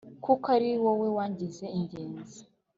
kuko ari wowe wangize ingenzi